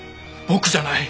僕じゃない！